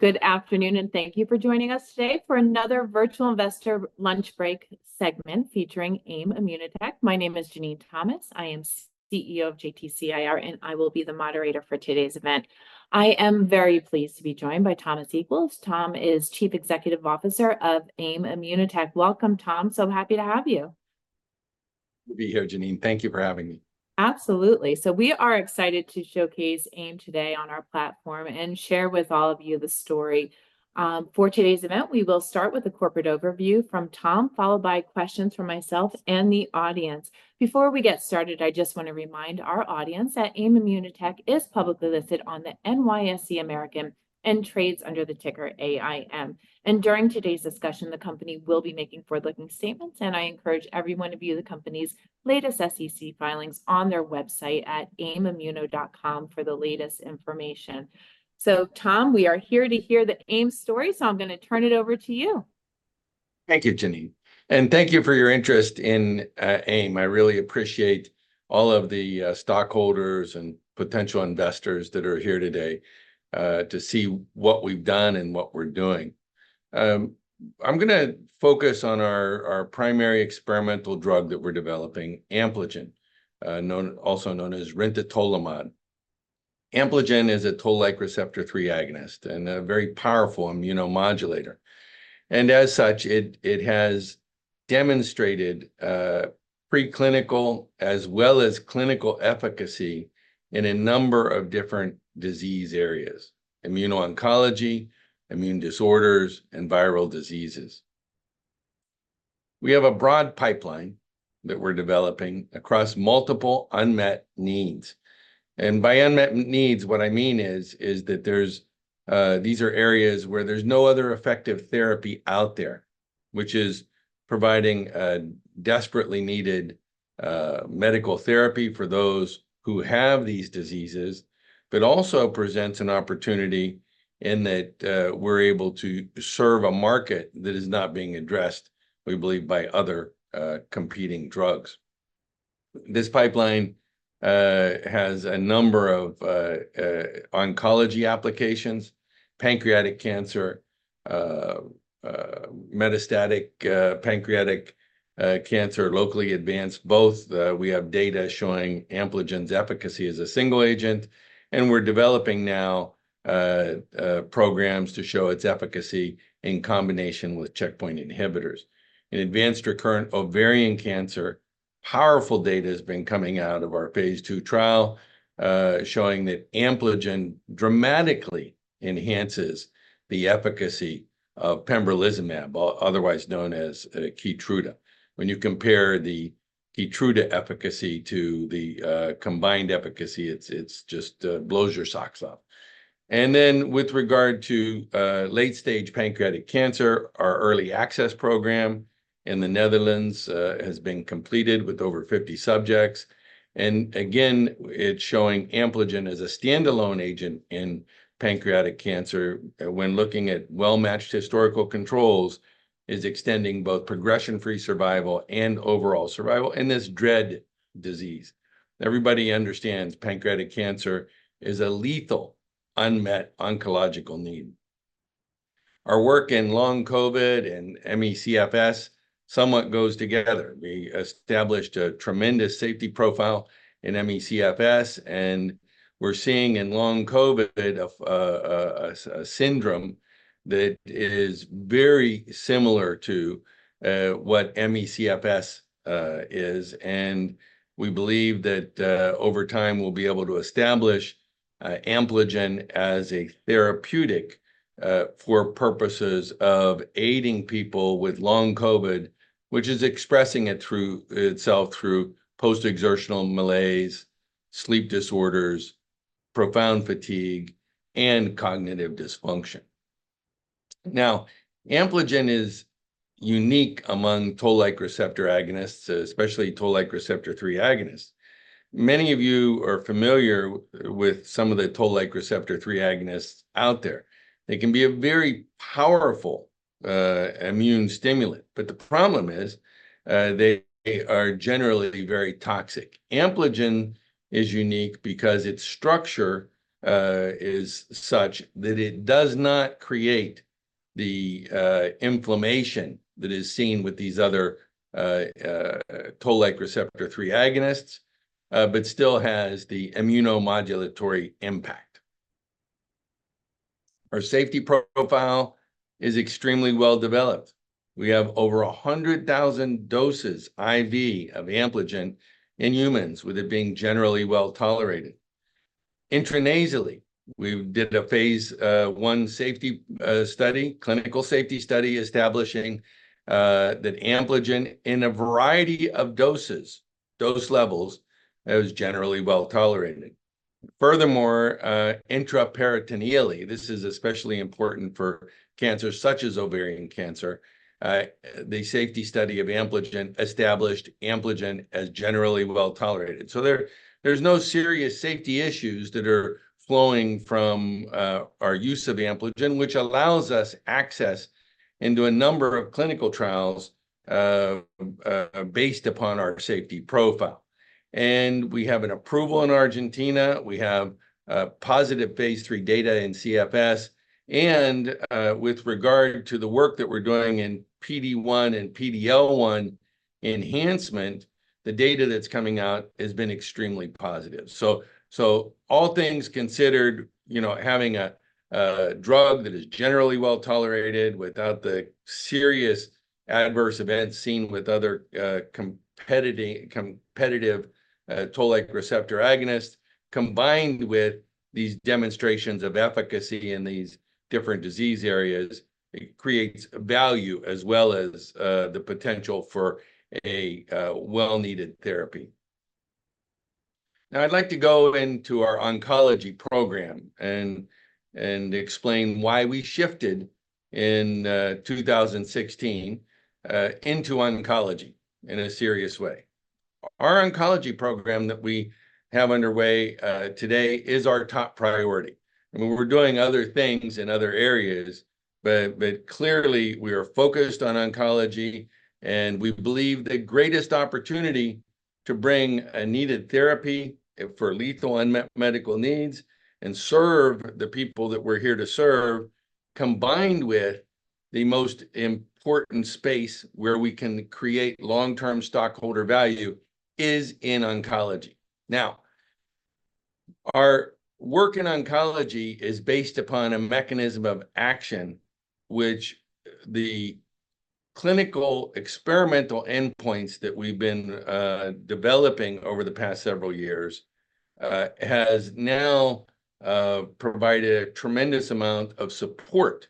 Good afternoon, and thank you for joining us today for another virtual investor lunch break segment featuring AIM ImmunoTech. My name is Jenene Thomas. I am CEO of JTC IR, and I will be the moderator for today's event. I am very pleased to be joined by Thomas Equels. Tom is Chief Executive Officer of AIM ImmunoTech. Welcome, Tom. So happy to have you. Good to be here, Jenene. Thank you for having me. Absolutely. So we are excited to showcase AIM today on our platform and share with all of you the story. For today's event, we will start with a corporate overview from Tom, followed by questions from myself and the audience. Before we get started, I just want to remind our audience that AIM ImmunoTech is publicly listed on the NYSE American and trades under the ticker AIM. And during today's discussion, the company will be making forward-looking statements, and I encourage everyone to view the company's latest SEC filings on their website at aimimmuno.com for the latest information. So Tom, we are here to hear the AIM story, so I'm gonna turn it over to you. Thank you, Jenene, and thank you for your interest in AIM. I really appreciate all of the stockholders and potential investors that are here today to see what we've done and what we're doing. I'm gonna focus on our primary experimental drug that we're developing, Ampligen, also known as rintatolimod. Ampligen is a Toll-like receptor 3 agonist and a very powerful immunomodulator, and as such, it has demonstrated preclinical as well as clinical efficacy in a number of different disease areas: immuno-oncology, immune disorders, and viral diseases. We have a broad pipeline that we're developing across multiple unmet needs, and by unmet needs, what I mean is, these are areas where there's no other effective therapy out there, which is providing a desperately needed medical therapy for those who have these diseases, but also presents an opportunity in that, we're able to serve a market that is not being addressed, we believe, by other competing drugs. This pipeline has a number of oncology applications, pancreatic cancer, metastatic pancreatic cancer, locally advanced. Both, we have data showing Ampligen's efficacy as a single agent, and we're developing now programs to show its efficacy in combination with checkpoint inhibitors. In advanced recurrent ovarian cancer, powerful data has been coming out of our phase II trial, showing that Ampligen dramatically enhances the efficacy of pembrolizumab, otherwise known as Keytruda. When you compare the Keytruda efficacy to the combined efficacy, it just blows your socks off. With regard to late-stage pancreatic cancer, our early access program in the Netherlands has been completed with over 50 subjects. Again, it's showing Ampligen as a standalone agent in pancreatic cancer, when looking at well-matched historical controls, is extending both progression-free survival and overall survival in this dread disease. Everybody understands pancreatic cancer is a lethal, unmet oncological need. Our work in long COVID and ME/CFS somewhat goes together. We established a tremendous safety profile in ME/CFS, and we're seeing in Long COVID a syndrome that is very similar to what ME/CFS is. And we believe that over time, we'll be able to establish Ampligen as a therapeutic for purposes of aiding people with Long COVID, which is expressing it through itself through post-exertional malaise, sleep disorders, profound fatigue, and cognitive dysfunction. Now, Ampligen is unique among Toll-like receptor agonists, especially Toll-like receptor 3 agonists. Many of you are familiar with some of the Toll-like receptor 3 agonists out there. They can be a very powerful immune stimulant, but the problem is they are generally very toxic. Ampligen is unique because its structure is such that it does not create the inflammation that is seen with these other toll-like receptor 3 agonists, but still has the immunomodulatory impact. Our safety profile is extremely well developed. We have over 100,000 doses, IV, of Ampligen in humans, with it being generally well tolerated. Intranasally, we did a phase I safety study, clinical safety study, establishing that Ampligen in a variety of doses, dose levels, is generally well tolerated. Furthermore, intraperitoneally, this is especially important for cancers such as ovarian cancer, the safety study of Ampligen established Ampligen as generally well tolerated. So there, there's no serious safety issues that are flowing from our use of Ampligen, which allows us access into a number of clinical trials based upon our safety profile. We have an approval in Argentina, we have positive phase III data in CFS, and with regard to the work that we're doing in PD-1 and PD-L1 enhancement, the data that's coming out has been extremely positive. So, so all things considered, you know, having a drug that is generally well-tolerated without the serious adverse events seen with other competing competitive Toll-like receptor agonists, combined with these demonstrations of efficacy in these different disease areas, it creates value as well as the potential for a well-needed therapy. Now, I'd like to go into our oncology program and explain why we shifted in 2016 into oncology in a serious way. Our oncology program that we have underway today is our top priority. I mean, we're doing other things in other areas, but clearly we are focused on oncology, and we believe the greatest opportunity to bring a needed therapy for lethal unmet medical needs and serve the people that we're here to serve, combined with the most important space where we can create long-term stockholder value, is in oncology. Now, our work in oncology is based upon a mechanism of action, which the clinical experimental endpoints that we've been developing over the past several years has now provided a tremendous amount of support.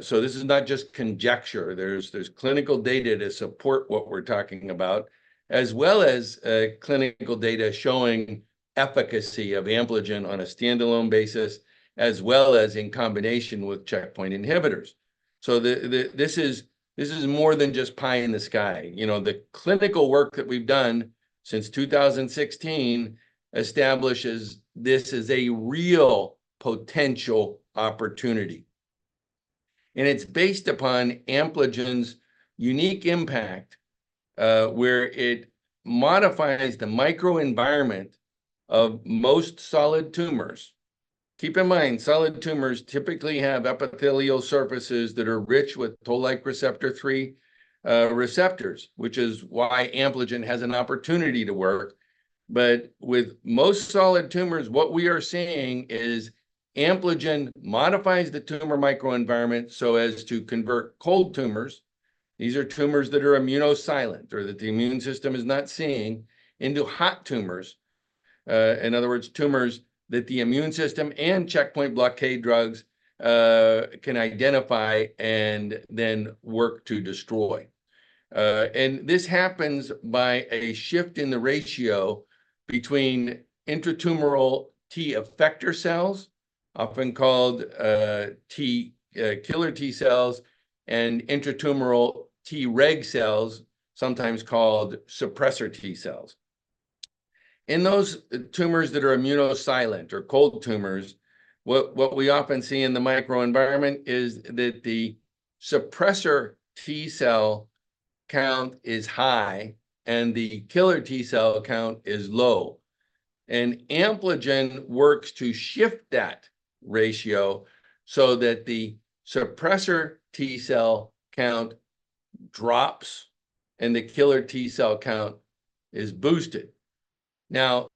So this is not just conjecture. There's clinical data to support what we're talking about, as well as clinical data showing efficacy of Ampligen on a standalone basis, as well as in combination with checkpoint inhibitors. So this is more than just pie in the sky. You know, the clinical work that we've done since 2016 establishes this is a real potential opportunity, and it's based upon Ampligen's unique impact, where it modifies the microenvironment of most solid tumors. Keep in mind, solid tumors typically have epithelial surfaces that are rich with Toll-like receptor 3, receptors, which is why Ampligen has an opportunity to work. But with most solid tumors, what we are seeing is Ampligen modifies the tumor microenvironment so as to convert cold tumors, these are tumors that are immunosuppressive or that the immune system is not seeing, into hot tumors. In other words, tumors that the immune system and checkpoint blockade drugs, can identify and then work to destroy. This happens by a shift in the ratio between intratumoral T effector cells, often called killer T cells, and intratumoral Treg cells, sometimes called suppressor T cells. In those tumors that are immunosuppressed or cold tumors, what we often see in the microenvironment is that the suppressor T cell count is high and the killer T cell count is low. Ampligen works to shift that ratio so that the suppressor T cell count drops and the killer T cell count is boosted. Now,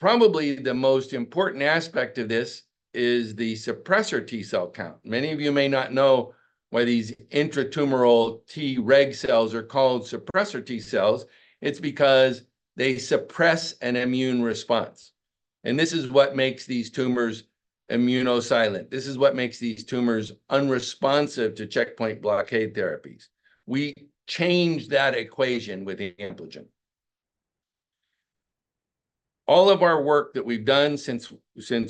probably the most important aspect of this is the suppressor T cell count. Many of you may not know why these intratumoral Treg cells are called suppressor T cells. It's because they suppress an immune response, and this is what makes these tumors immunosuppressed. This is what makes these tumors unresponsive to checkpoint blockade therapies. We change that equation with the Ampligen. All of our work that we've done since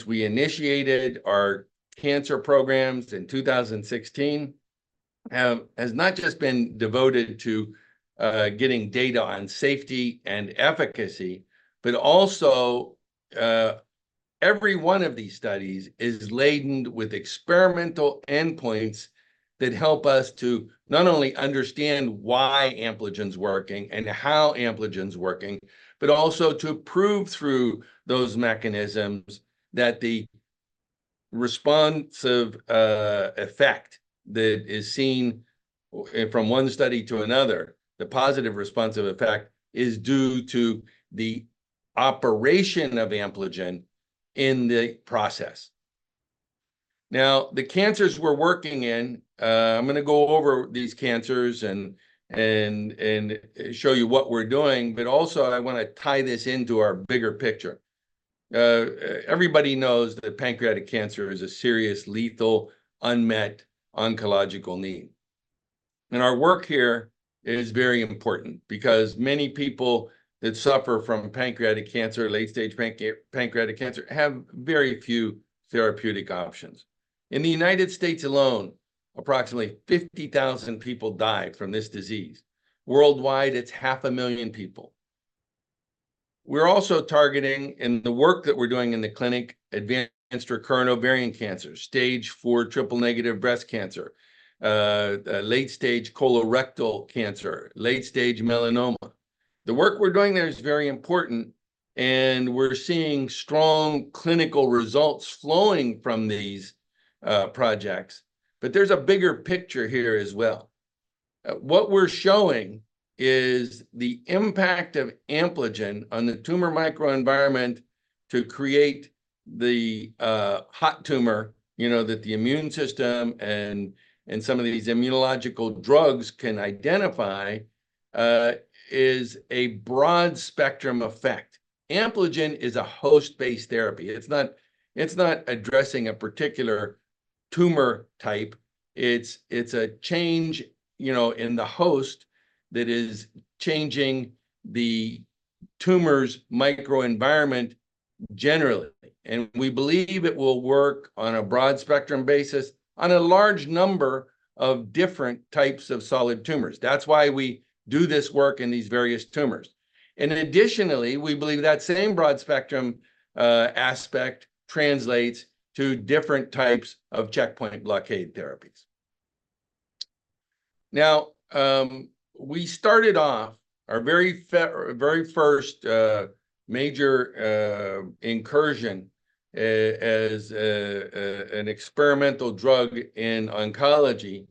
we initiated our cancer programs in 2016 has not just been devoted to getting data on safety and efficacy, but also every one of these studies is laden with experimental endpoints that help us to not only understand why Ampligen's working and how Ampligen's working, but also to prove through those mechanisms that the responsive effect that is seen from one study to another, the positive responsive effect is due to the operation of Ampligen in the process. Now, the cancers we're working in, I'm gonna go over these cancers and show you what we're doing, but also, I wanna tie this into our bigger picture. Everybody knows that pancreatic cancer is a serious, lethal, unmet oncological need. And our work here is very important because many people that suffer from pancreatic cancer, late-stage pancreatic cancer, have very few therapeutic options. In the United States alone, approximately 50,000 people die from this disease. Worldwide, it's 500,000 people.... We're also targeting, in the work that we're doing in the clinic, advanced recurrent ovarian cancer, Stage 4 triple-negative breast cancer, late-stage colorectal cancer, late-stage melanoma. The work we're doing there is very important, and we're seeing strong clinical results flowing from these projects. But there's a bigger picture here as well. What we're showing is the impact of Ampligen on the tumor microenvironment to create the hot tumor, you know, that the immune system and some of these immunological drugs can identify is a broad-spectrum effect. Ampligen is a host-based therapy. It's not addressing a particular tumor type. It's a change, you know, in the host that is changing the tumor's microenvironment generally. We believe it will work on a broad-spectrum basis on a large number of different types of solid tumors. That's why we do this work in these various tumors. Additionally, we believe that same broad-spectrum aspect translates to different types of checkpoint blockade therapies. Now, we started off. Our very first major incursion as an experimental drug in oncology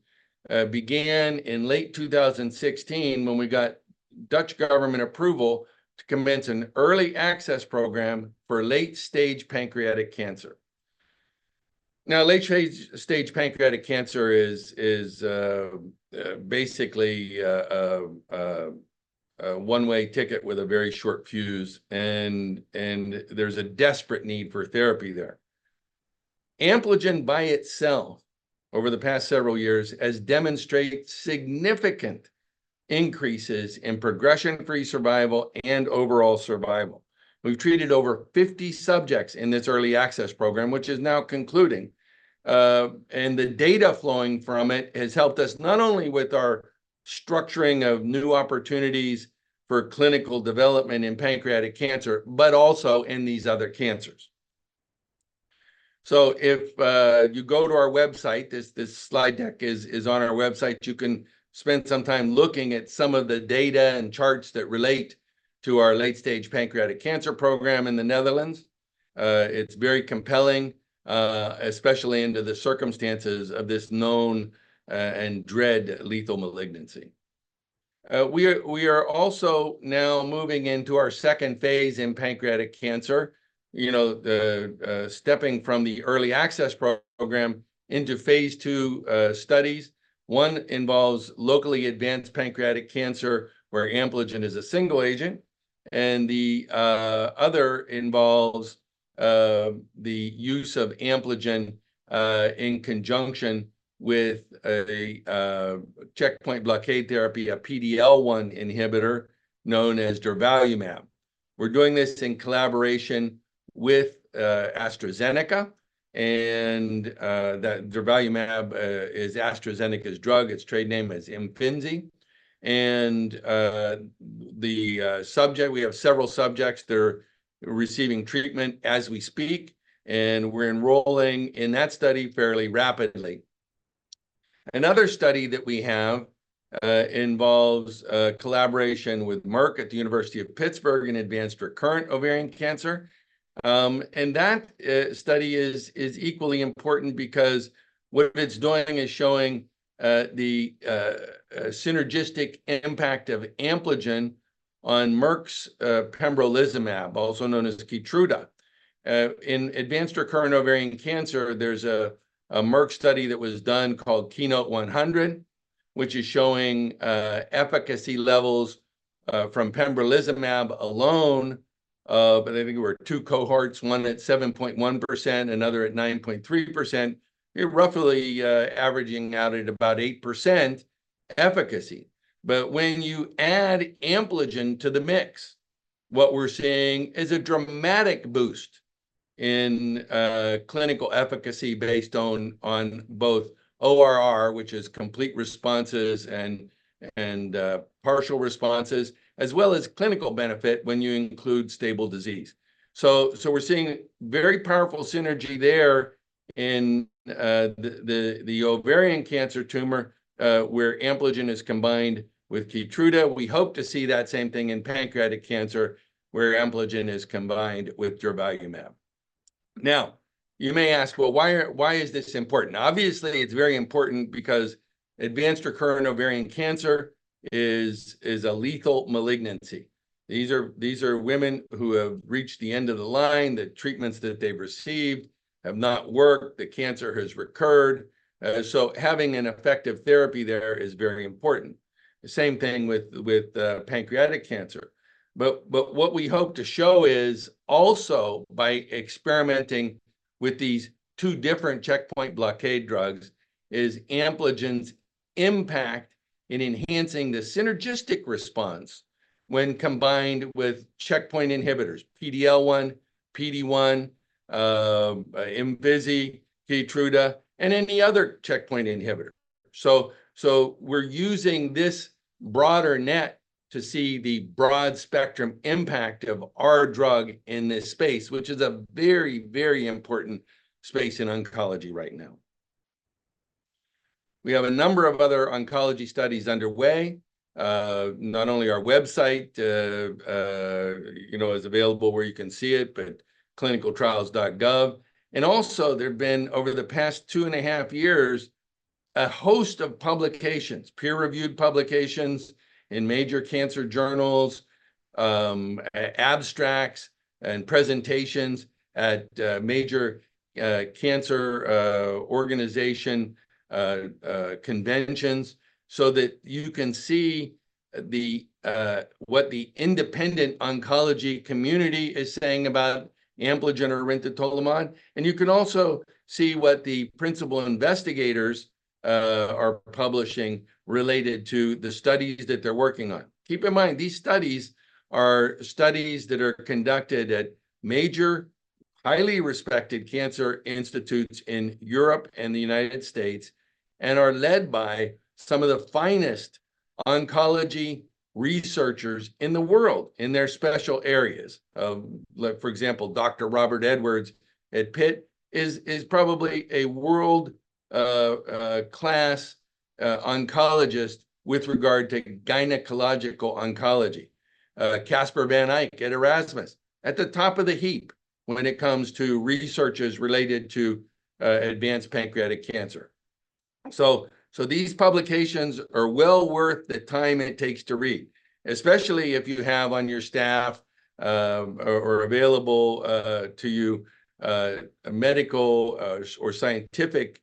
began in late 2016 when we got Dutch government approval to commence an early access program for late-stage pancreatic cancer. Now, late-stage pancreatic cancer is basically a one-way ticket with a very short fuse, and there's a desperate need for therapy there. Ampligen by itself, over the past several years, has demonstrated significant increases in progression-free survival and overall survival. We've treated over 50 subjects in this early access program, which is now concluding. And the data flowing from it has helped us not only with our structuring of new opportunities for clinical development in pancreatic cancer, but also in these other cancers. So if you go to our website, this slide deck is on our website, you can spend some time looking at some of the data and charts that relate to our late-stage pancreatic cancer program in the Netherlands. It's very compelling, especially under the circumstances of this known and dread lethal malignancy. We are also now moving into our phase II in pancreatic cancer. You know, the stepping from the early access program into phase II studies. One involves locally advanced pancreatic cancer, where Ampligen is a single agent, and the other involves the use of Ampligen in conjunction with a checkpoint blockade therapy, a PD-L1 inhibitor known as durvalumab. We're doing this in collaboration with AstraZeneca, and that durvalumab is AstraZeneca's drug. Its trade name is Imfinzi. And the subjects. We have several subjects. They're receiving treatment as we speak, and we're enrolling in that study fairly rapidly. Another study that we have involves a collaboration with Merck at the University of Pittsburgh in advanced recurrent ovarian cancer. And that study is equally important because what it's doing is showing the synergistic impact of Ampligen on Merck's pembrolizumab, also known as Keytruda. In advanced recurrent ovarian cancer, there's a Merck study that was done called Keynote-100, which is showing efficacy levels from pembrolizumab alone, and I think there were two cohorts, one at 7.1%, another at 9.3%. It roughly averaging out at about 8% efficacy. But when you add Ampligen to the mix, what we're seeing is a dramatic boost in clinical efficacy based on both ORR, which is complete responses and partial responses, as well as clinical benefit when you include stable disease. We're seeing very powerful synergy there in the ovarian cancer tumor, where Ampligen is combined with Keytruda. We hope to see that same thing in pancreatic cancer, where Ampligen is combined with durvalumab. Now, you may ask, "Well, why is this important?" Obviously, it's very important because advanced recurrent ovarian cancer is a lethal malignancy. These are women who have reached the end of the line. The treatments that they've received have not worked. The cancer has recurred. So having an effective therapy there is very important. The same thing with pancreatic cancer. But what we hope to show is also by experimenting with these two different checkpoint blockade drugs, is Ampligen's impact in enhancing the synergistic response when combined with checkpoint inhibitors, PD-L1, PD-1, Imfinzi, Keytruda, and any other checkpoint inhibitor... So we're using this broader net to see the broad spectrum impact of our drug in this space, which is a very, very important space in oncology right now. We have a number of other oncology studies underway. Not only our website, you know, is available where you can see it, but clinicaltrials.gov. And also, there have been, over the past 2.5 years, a host of publications, peer-reviewed publications in major cancer journals, abstracts and presentations at major cancer organization conventions, so that you can see the what the independent oncology community is saying about Ampligen or rintatolimod. And you can also see what the principal investigators are publishing related to the studies that they're working on. Keep in mind, these studies are studies that are conducted at major, highly respected cancer institutes in Europe and the United States, and are led by some of the finest oncology researchers in the world in their special areas. Like for example, Dr. Robert Edwards at Pitt is probably a world class oncologist with regard to gynecological oncology. Casper van Eijck at Erasmus at the top of the heap when it comes to research related to advanced pancreatic cancer. So these publications are well worth the time it takes to read, especially if you have on your staff or available to you medical or scientific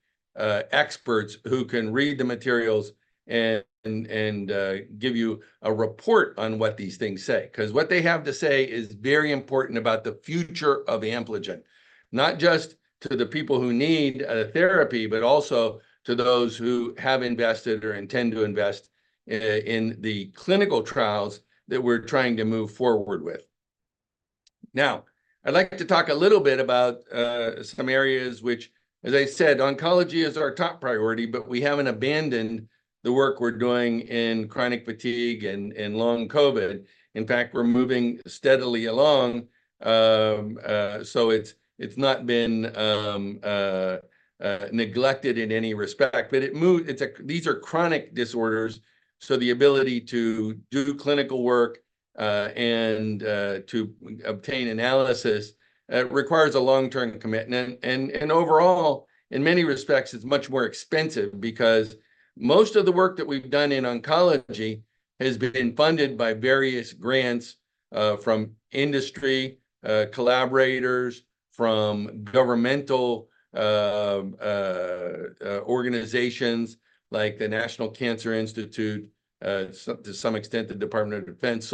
experts who can read the materials and give you a report on what these things say. 'Cause what they have to say is very important about the future of Ampligen, not just to the people who need therapy, but also to those who have invested or intend to invest in the clinical trials that we're trying to move forward with. Now, I'd like to talk a little bit about some areas which, as I said, oncology is our top priority, but we haven't abandoned the work we're doing in chronic fatigue and long COVID. In fact, we're moving steadily along. So it's not been neglected in any respect. But these are chronic disorders, so the ability to do clinical work and to obtain analysis requires a long-term commitment. And overall, in many respects, it's much more expensive because most of the work that we've done in oncology has been funded by various grants from industry collaborators, from governmental organizations, like the National Cancer Institute, to some extent, the Department of Defense.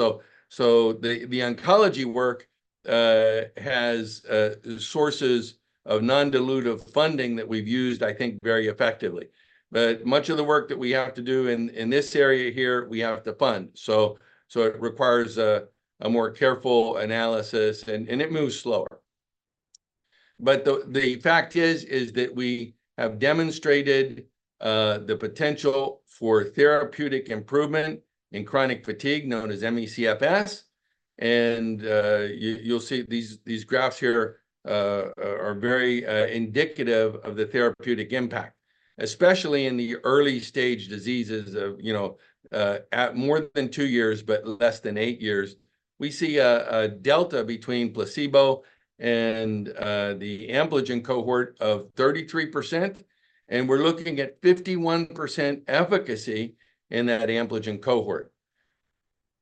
So the oncology work has sources of non-dilutive funding that we've used, I think, very effectively. But much of the work that we have to do in this area here, we have to fund. So it requires a more careful analysis, and it moves slower. But the fact is that we have demonstrated the potential for therapeutic improvement in chronic fatigue, known as ME/CFS. And you'll see these graphs here are very indicative of the therapeutic impact, especially in the early-stage diseases of, you know, at more than two years, but less than eight years. We see a delta between placebo and the Ampligen cohort of 33%, and we're looking at 51% efficacy in that Ampligen cohort.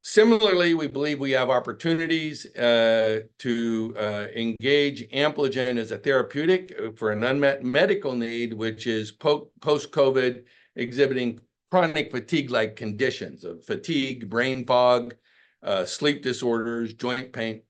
Similarly, we believe we have opportunities to engage Ampligen as a therapeutic for an unmet medical need, which is post-COVID, exhibiting chronic fatigue-like conditions, of fatigue, brain fog, sleep disorders, joint pain.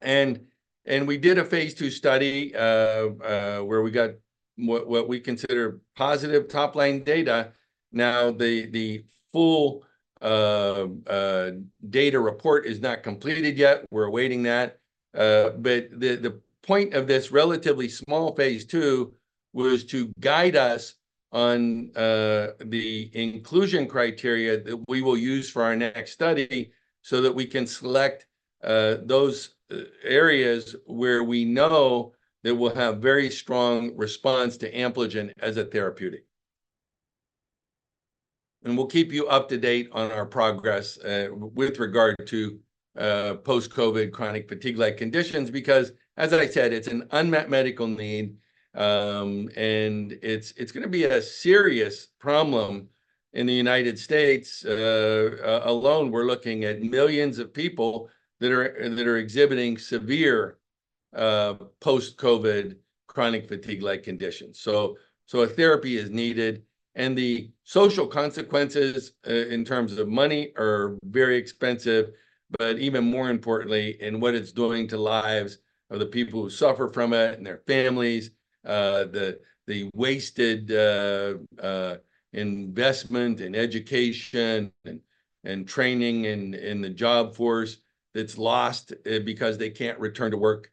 And we did a phase II study where we got what we consider positive top-line data. Now, the full data report is not completed yet. We're awaiting that. But the point of this relatively small phase II was to guide us on the inclusion criteria that we will use for our next study, so that we can select those areas where we know that we'll have very strong response to Ampligen as a therapeutic. And we'll keep you up to date on our progress with regard to post-COVID chronic fatigue-like conditions, because as I said, it's an unmet medical need. And it's gonna be a serious problem in the United States alone. We're looking at millions of people that are exhibiting severe post-COVID chronic fatigue-like conditions. So a therapy is needed, and the social consequences in terms of money are very expensive. But even more importantly, in what it's doing to lives of the people who suffer from it and their families, the wasted investment in education and training in the job force that's lost because they can't return to work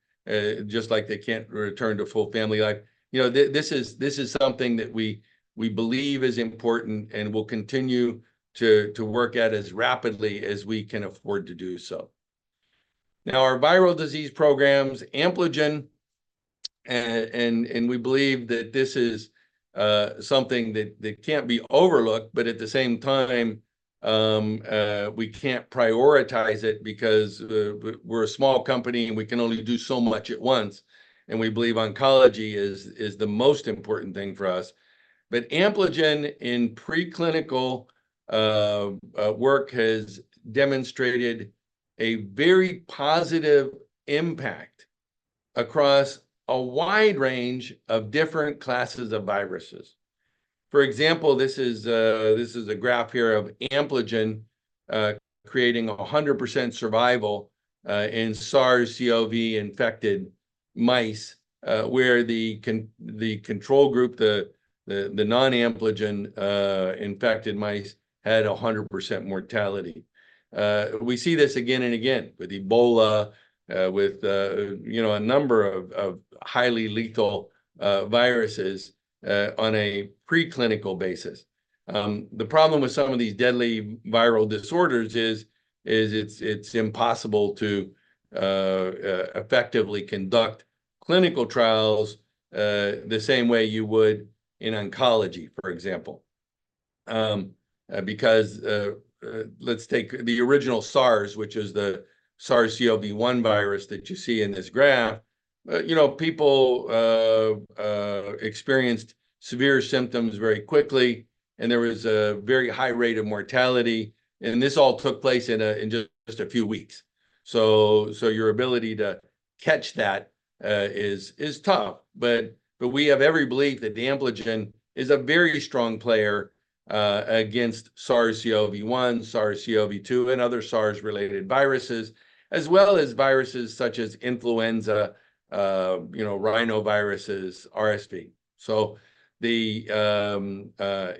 just like they can't return to full family life. You know, this is something that we believe is important, and we'll continue to work at as rapidly as we can afford to do so. Now, our viral disease programs, Ampligen, and we believe that this is something that can't be overlooked, but at the same time, we can't prioritize it because we're a small company, and we can only do so much at once. And we believe oncology is the most important thing for us. But Ampligen, in preclinical work, has demonstrated a very positive impact across a wide range of different classes of viruses. For example, this is a graph here of Ampligen creating 100% survival in SARS-CoV-infected mice, where the control group, the non-Ampligen infected mice, had 100% mortality. We see this again and again with Ebola, with you know, a number of highly lethal viruses on a preclinical basis. The problem with some of these deadly viral disorders is it's impossible to effectively conduct clinical trials the same way you would in oncology, for example. Because, let's take the original SARS, which is the SARS-CoV-1 virus that you see in this graph. You know, people experienced severe symptoms very quickly, and there was a very high rate of mortality, and this all took place in just a few weeks. So, so your ability to catch that, is, is tough, but, but we have every belief that the Ampligen is a very strong player, against SARS-CoV-1, SARS-CoV-2, and other SARS-related viruses, as well as viruses such as influenza, you know, rhinoviruses, RSV. So the,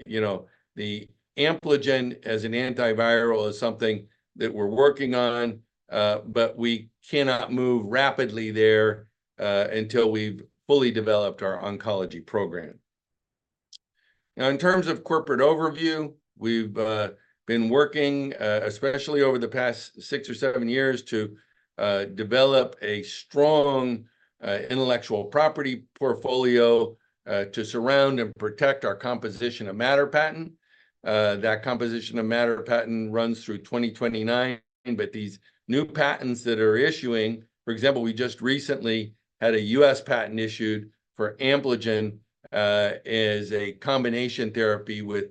you know, the Ampligen as an antiviral is something that we're working on, but we cannot move rapidly there, until we've fully developed our oncology program. Now, in terms of corporate overview, we've, been working, especially over the past six or seven years, to, develop a strong, intellectual property portfolio, to surround and protect our composition of matter patent. That composition of matter patent runs through 2029, but these new patents that are issuing... For example, we just recently had a U.S. patent issued for Ampligen, as a combination therapy with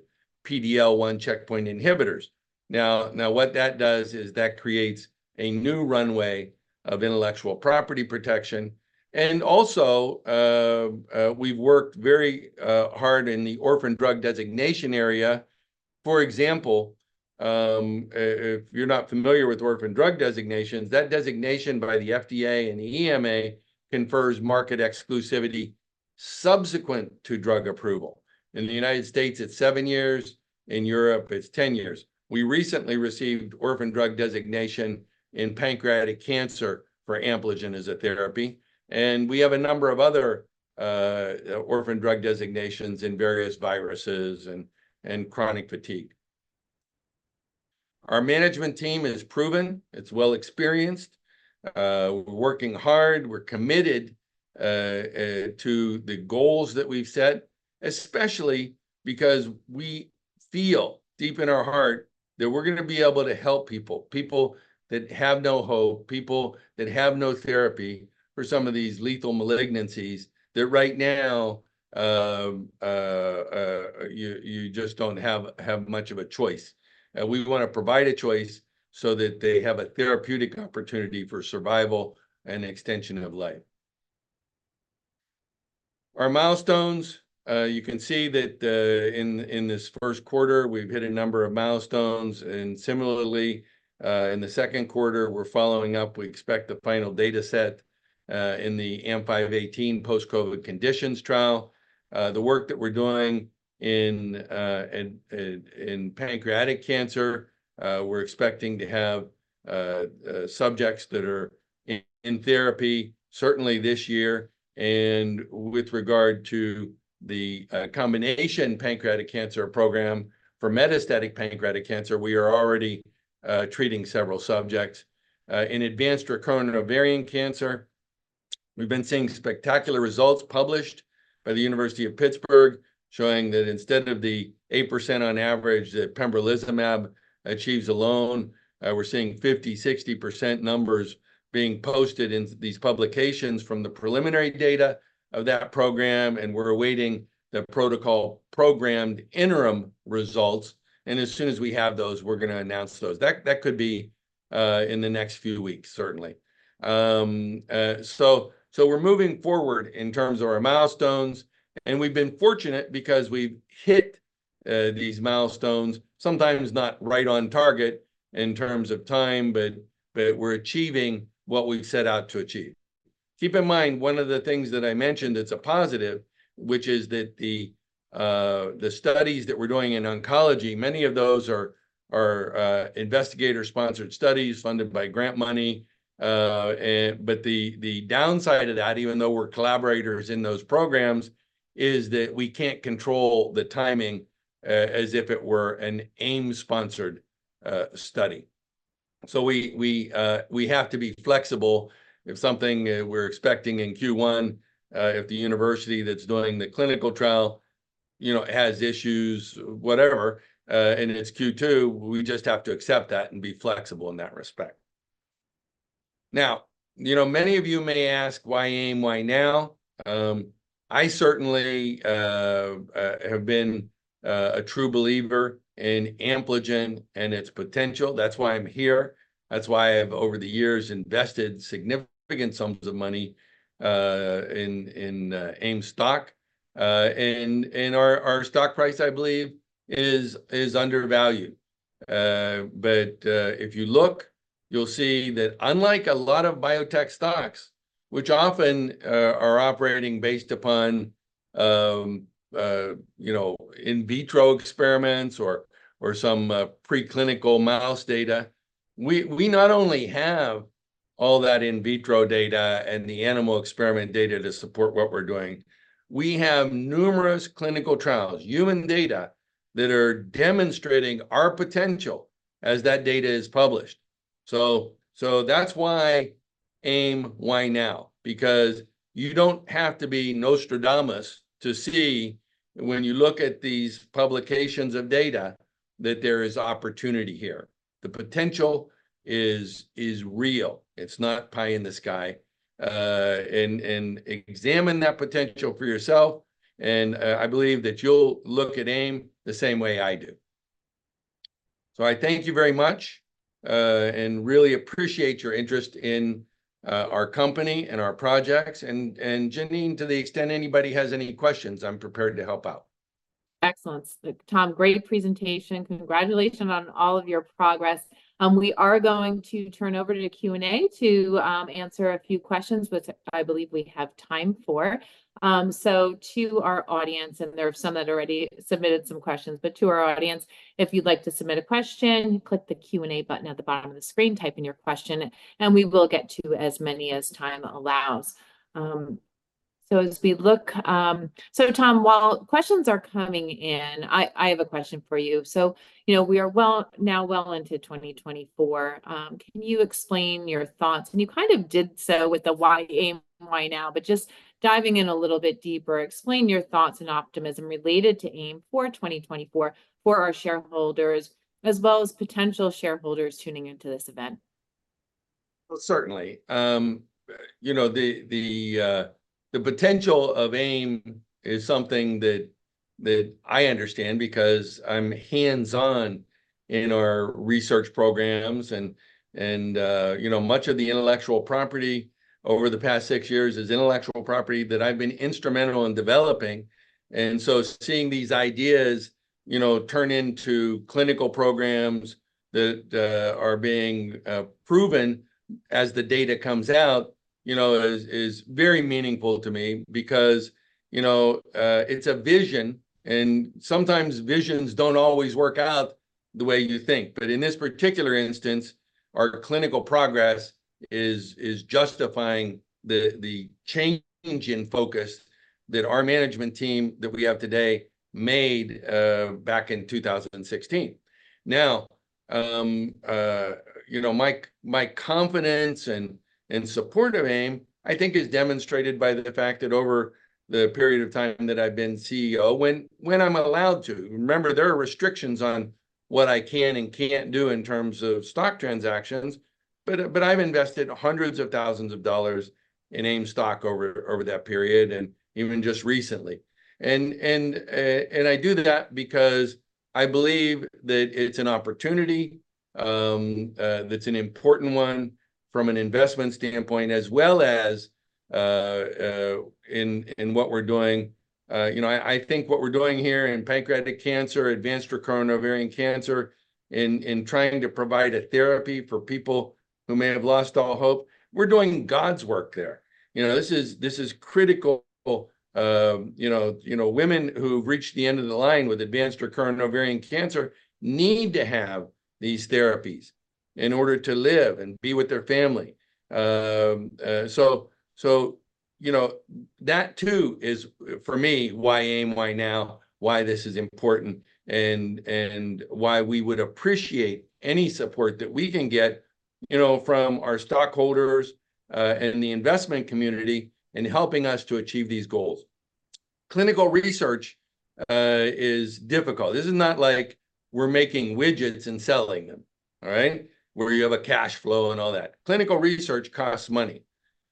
PD-L1 checkpoint inhibitors. Now, now what that does is that creates a new runway of intellectual property protection, and also, we've worked very, hard in the orphan drug designation area. For example, if you're not familiar with orphan drug designations, that designation by the FDA and the EMA confers market exclusivity subsequent to drug approval. In the United States, it's seven years. In Europe, it's ten years. We recently received orphan drug designation in pancreatic cancer for Ampligen as a therapy, and we have a number of other, orphan drug designations in various viruses and, and chronic fatigue. Our management team is proven. It's well experienced. We're working hard. We're committed to the goals that we've set, especially because we feel deep in our heart that we're gonna be able to help people, people that have no hope, people that have no therapy for some of these lethal malignancies, that right now, you just don't have much of a choice. And we wanna provide a choice so that they have a therapeutic opportunity for survival and extension of life. Our milestones, you can see that, in this first quarter, we've hit a number of milestones, and similarly, in the second quarter, we're following up. We expect the final data set in the AMP-518 post-COVID conditions trial. The work that we're doing in pancreatic cancer, we're expecting to have subjects that are in therapy certainly this year. With regard to the combination pancreatic cancer program for metastatic pancreatic cancer, we are already treating several subjects. In advanced recurrent ovarian cancer, we've been seeing spectacular results published by the University of Pittsburgh, showing that instead of the 8% on average that pembrolizumab achieves alone, we're seeing 50%-60% numbers being posted in these publications from the preliminary data of that program, and we're awaiting the protocol programmed interim results, and as soon as we have those, we're gonna announce those. That could be in the next few weeks, certainly. So we're moving forward in terms of our milestones, and we've been fortunate because we've hit these milestones, sometimes not right on target in terms of time, but we're achieving what we've set out to achieve. Keep in mind, one of the things that I mentioned that's a positive, which is that the studies that we're doing in oncology, many of those are investigator-sponsored studies funded by grant money. But the downside of that, even though we're collaborators in those programs, is that we can't control the timing as if it were an AIM-sponsored study. So we have to be flexible. If something we're expecting in Q1, if the university that's doing the clinical trial, you know, has issues, whatever, and it's Q2, we just have to accept that and be flexible in that respect. Now, you know, many of you may ask, "Why AIM, why now?" I certainly have been a true believer in Ampligen and its potential. That's why I'm here. That's why I've, over the years, invested significant sums of money in AIM stock. And our stock price, I believe, is undervalued. But if you look, you'll see that unlike a lot of biotech stocks, which often are operating based upon you know, in vitro experiments or some preclinical mouse data, we not only have all that in vitro data and the animal experiment data to support what we're doing, we have numerous clinical trials, human data, that are demonstrating our potential as that data is published. So that's why AIM, why now? Because you don't have to be Nostradamus to see, when you look at these publications of data, that there is opportunity here. The potential is real. It's not pie in the sky. And examine that potential for yourself, and I believe that you'll look at AIM the same way I do. So I thank you very much, and really appreciate your interest in our company and our projects. And Jenene, to the extent anybody has any questions, I'm prepared to help out. Excellent. Tom, great presentation. Congratulations on all of your progress. We are going to turn over to Q&A to answer a few questions, which I believe we have time for. So to our audience, and there are some that already submitted some questions, but to our audience, if you'd like to submit a question, click the Q&A button at the bottom of the screen, type in your question, and we will get to as many as time allows. So as we look, so Tom, while questions are coming in, I have a question for you. So, you know, we are well, now well into 2024. Can you explain your thoughts? You kind of did so with the why AIM, why now, but just diving in a little bit deeper, explain your thoughts and optimism related to AIM for 2024, for our shareholders, as well as potential shareholders tuning into this event. Well, certainly. You know, the potential of AIM is something that I understand because I'm hands-on in our research programs, and you know, much of the intellectual property over the past six years is intellectual property that I've been instrumental in developing. And so seeing these ideas, you know, turn into clinical programs that are being proven as the data comes out, you know, is very meaningful to me. Because, you know, it's a vision, and sometimes visions don't always work out the way you think. But in this particular instance, our clinical progress is justifying the change in focus that our management team that we have today made, back in 2016. Now, you know, my confidence and support of AIM, I think, is demonstrated by the fact that over the period of time that I've been CEO, when I'm allowed to... Remember, there are restrictions on what I can and can't do in terms of stock transactions, but I've invested $hundreds of thousands in AIM stock over that period, and even just recently. And I do that because I believe that it's an opportunity that's an important one from an investment standpoint, as well as in what we're doing. You know, I think what we're doing here in pancreatic cancer, advanced recurrent ovarian cancer, in trying to provide a therapy for people who may have lost all hope, we're doing God's work there. You know, this is critical. You know, you know, women who've reached the end of the line with advanced recurrent ovarian cancer need to have these therapies in order to live and be with their family. So, so you know, that too is, for me, why AIM, why now, why this is important, and, and why we would appreciate any support that we can get, you know, from our stockholders, and the investment community in helping us to achieve these goals. Clinical research is difficult. This is not like we're making widgets and selling them, all right? Where you have a cash flow and all that. Clinical research costs money.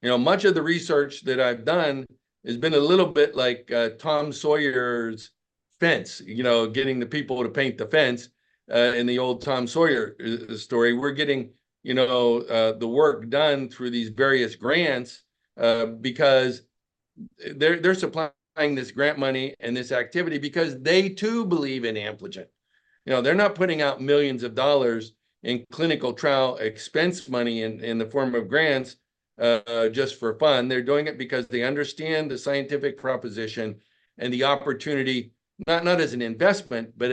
You know, much of the research that I've done has been a little bit like, Tom Sawyer's fence. You know, getting the people to paint the fence, in the old Tom Sawyer story. We're getting, you know, the work done through these various grants, because they're supplying this grant money and this activity because they, too, believe in Ampligen. You know, they're not putting out millions of dollars in clinical trial expense money in the form of grants just for fun. They're doing it because they understand the scientific proposition and the opportunity, not as an investment, but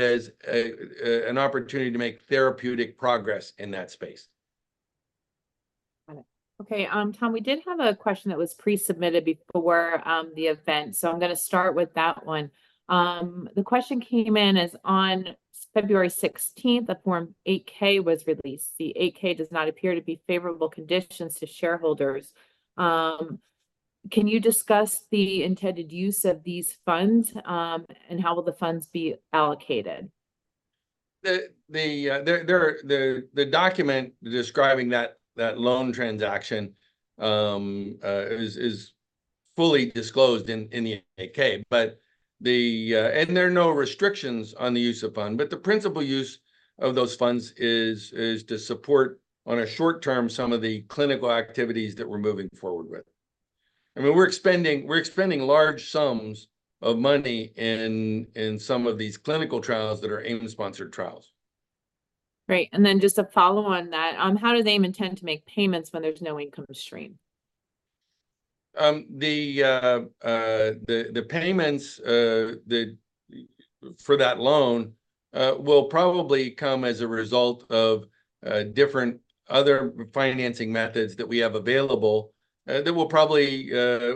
as an opportunity to make therapeutic progress in that space. Got it. Okay, Tom, we did have a question that was pre-submitted before the event, so I'm gonna start with that one. The question came in as, "On February 16th, a Form 8-K was released. The 8-K does not appear to be favorable conditions to shareholders. Can you discuss the intended use of these funds, and how will the funds be allocated? The document describing that loan transaction is fully disclosed in the 8-K, but there are no restrictions on the use of funds, but the principal use of those funds is to support, on a short term, some of the clinical activities that we're moving forward with. I mean, we're expending large sums of money in some of these clinical trials that are AIM-sponsored trials. Right, and then just to follow on that, how do they intend to make payments when there's no income stream? The payments for that loan will probably come as a result of different other financing methods that we have available, that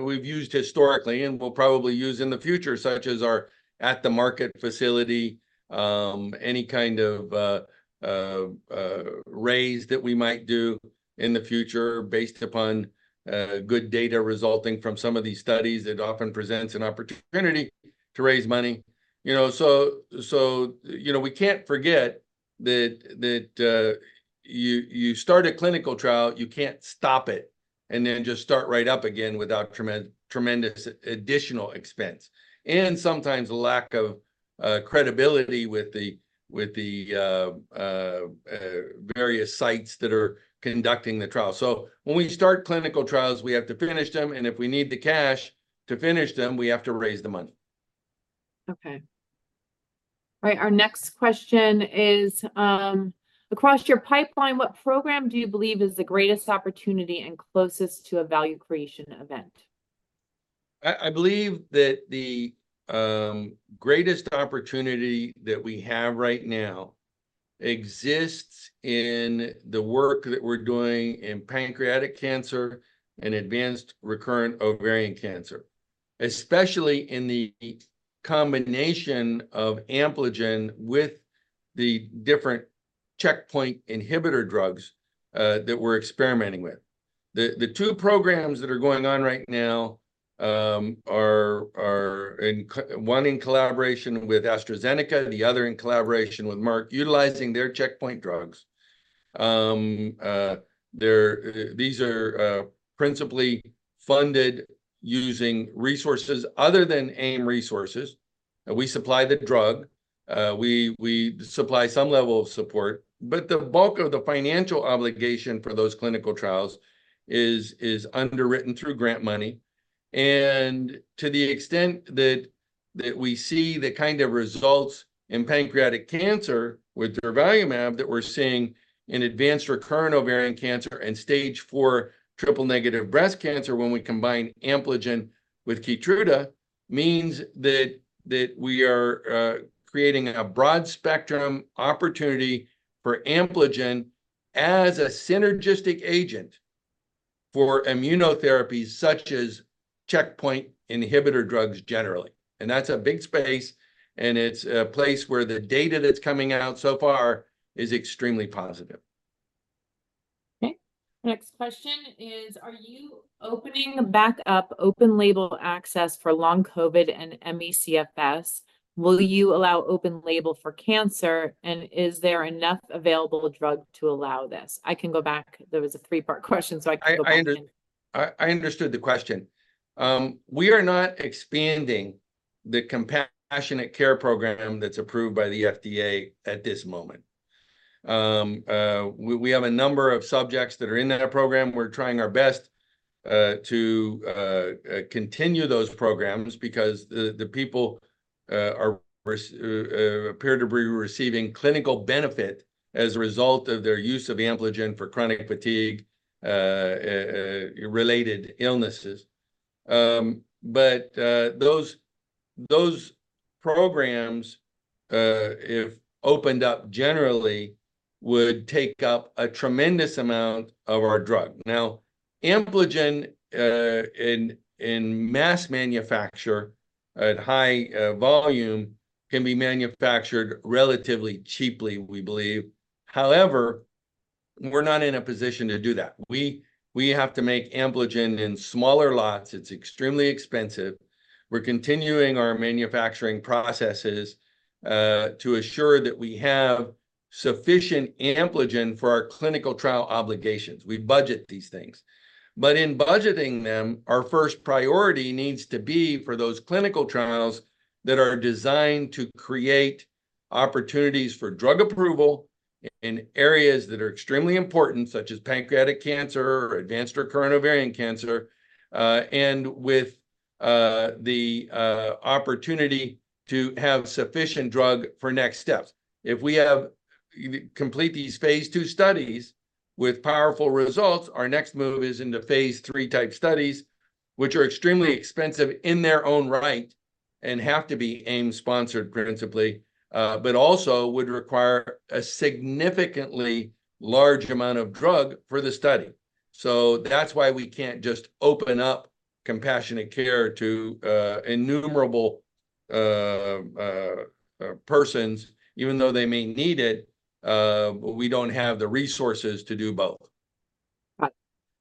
we've used historically and will probably use in the future, such as our at-the-market facility. Any kind of raise that we might do in the future based upon good data resulting from some of these studies, it often presents an opportunity to raise money. You know, so, we can't forget that you start a clinical trial, you can't stop it, and then just start right up again without tremendous additional expense, and sometimes lack of credibility with the various sites that are conducting the trial. When we start clinical trials, we have to finish them, and if we need the cash to finish them, we have to raise the money. Okay. All right, our next question is: "Across your pipeline, what program do you believe is the greatest opportunity and closest to a value creation event? I believe that the greatest opportunity that we have right now exists in the work that we're doing in pancreatic cancer and advanced recurrent ovarian cancer, especially in the combination of Ampligen with the different checkpoint inhibitor drugs that we're experimenting with. The two programs that are going on right now are one in collaboration with AstraZeneca, the other in collaboration with Merck, utilizing their checkpoint drugs. These are principally funded using resources other than AIM resources. We supply the drug. We supply some level of support, but the bulk of the financial obligation for those clinical trials is underwritten through grant money. And to the extent that, that we see the kind of results in pancreatic cancer with durvalumab that we're seeing in advanced recurrent ovarian cancer and Stage IV triple-negative breast cancer when we combine Ampligen with Keytruda, means that, that we are creating a broad-spectrum opportunity for Ampligen as a synergistic agent for immunotherapies, such as checkpoint inhibitor drugs generally. And that's a big space, and it's a place where the data that's coming out so far is extremely positive. Okay. Next question is: "Are you opening back up open-label access for Long COVID and ME/CFS? Will you allow open label for cancer, and is there enough available drug to allow this?" I can go back. That was a three-part question, so I can go back. I understood the question. We are not expanding the Compassionate Care Program that's approved by the FDA at this moment. We have a number of subjects that are in that program. We're trying our best to continue those programs because the people appear to be receiving clinical benefit as a result of their use of Ampligen for chronic fatigue related illnesses. But those programs, if opened up generally, would take up a tremendous amount of our drug. Now, Ampligen in mass manufacture at high volume can be manufactured relatively cheaply, we believe. However, we're not in a position to do that. We have to make Ampligen in smaller lots. It's extremely expensive. We're continuing our manufacturing processes to assure that we have sufficient Ampligen for our clinical trial obligations. We budget these things. But in budgeting them, our first priority needs to be for those clinical trials that are designed to create opportunities for drug approval in areas that are extremely important, such as pancreatic cancer or advanced recurrent ovarian cancer, and with the opportunity to have sufficient drug for next steps. If we complete these phase II studies with powerful results, our next move is into phase III-type studies, which are extremely expensive in their own right and have to be AIM-sponsored, principally, but also would require a significantly large amount of drug for the study. So that's why we can't just open up compassionate care to innumerable persons. Even though they may need it, we don't have the resources to do both. Right.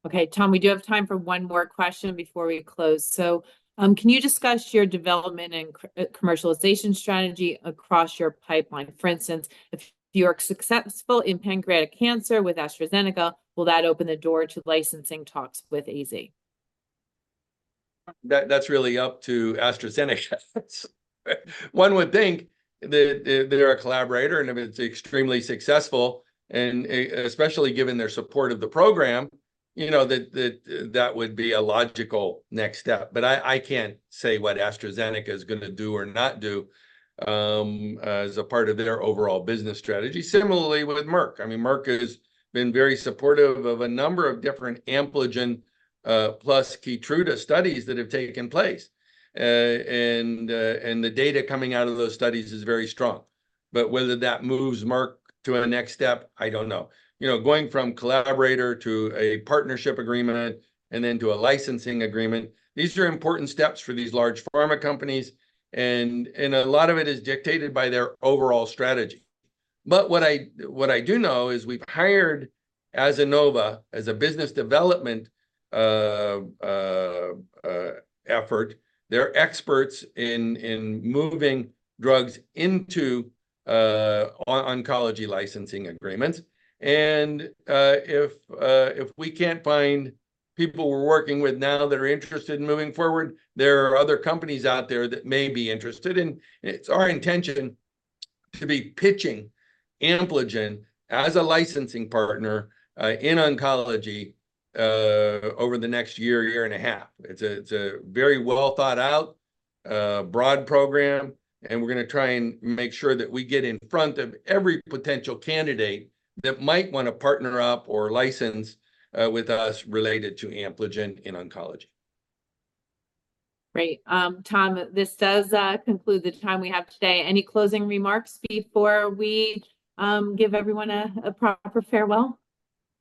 Okay, Tom, we do have time for one more question before we close. So, can you discuss your development and commercialization strategy across your pipeline? For instance, if you are successful in pancreatic cancer with AstraZeneca, will that open the door to licensing talks with AZ? That, that's really up to AstraZeneca. One would think that they're a collaborator, and if it's extremely successful, and especially given their support of the program, you know, that would be a logical next step. But I can't say what AstraZeneca is gonna do or not do as a part of their overall business strategy. Similarly, with Merck. I mean, Merck has been very supportive of a number of different Ampligen plus Keytruda studies that have taken place. And the data coming out of those studies is very strong. But whether that moves Merck to a next step, I don't know. You know, going from collaborator to a partnership agreement, and then to a licensing agreement, these are important steps for these large pharma companies, and a lot of it is dictated by their overall strategy. But what I do know is we've hired Azenova as a business development effort. They're experts in moving drugs into oncology licensing agreements. And if we can't find people we're working with now that are interested in moving forward, there are other companies out there that may be interested, and it's our intention to be pitching Ampligen as a licensing partner in oncology over the next year and a half. It's a very well-thought-out broad program, and we're gonna try and make sure that we get in front of every potential candidate that might wanna partner up or license with us related to Ampligen in oncology. Great. Tom, this does conclude the time we have today. Any closing remarks before we give everyone a proper farewell?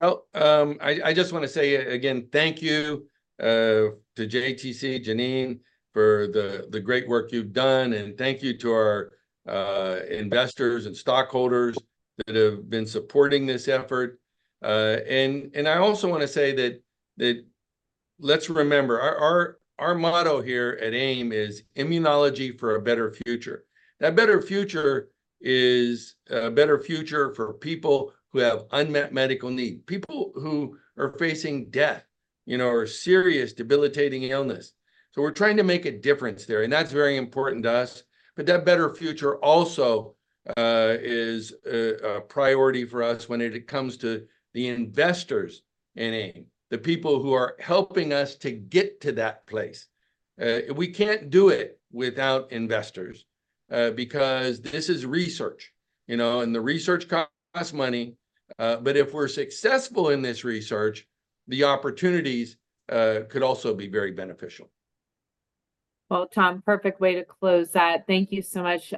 Oh, I just wanna say, again, thank you to JTC, Jenene, for the great work you've done, and thank you to our investors and stockholders that have been supporting this effort. I also wanna say that let's remember, our motto here at AIM is immunology for a better future. That better future is a better future for people who have unmet medical needs, people who are facing death, you know, or serious debilitating illness. So we're trying to make a difference there, and that's very important to us. But that better future also is a priority for us when it comes to the investors in AIM, the people who are helping us to get to that place. We can't do it without investors because this is research, you know, and the research costs money. But if we're successful in this research, the opportunities could also be very beneficial. Well, Tom, perfect way to close that. Thank you so much.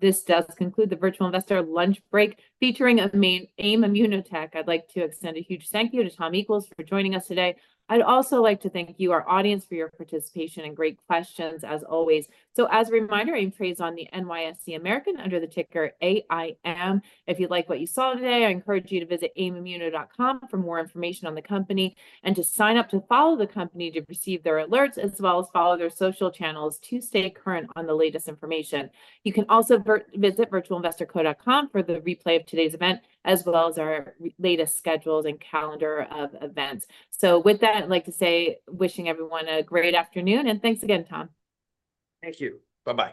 This does conclude the Virtual Investor Lunch Break, featuring of me, AIM ImmunoTech. I'd like to extend a huge thank you to Thomas Equels for joining us today. I'd also like to thank you, our audience, for your participation and great questions, as always. As a reminder, AIM trades on the NYSE American under the ticker AIM. If you like what you saw today, I encourage you to visit aimimmuno.com for more information on the company, and to sign up to follow the company to receive their alerts, as well as follow their social channels to stay current on the latest information. You can also visit virtualinvestorco.com for the replay of today's event, as well as our latest schedules and calendar of events. With that, I'd like to say, wishing everyone a great afternoon, and thanks again, Tom. Thank you. Bye-bye.